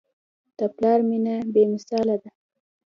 د پلار مینه بېمثاله ده.